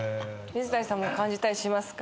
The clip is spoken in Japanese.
水谷さんも感じたりしますか？